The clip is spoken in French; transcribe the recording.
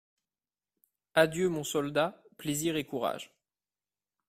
Adieu, mon soldat, plaisir et courage…